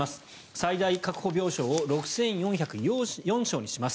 最大確保病床を６４０４床にします。